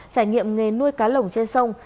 trải nghiệm nghề nuôi cá lồng trên sông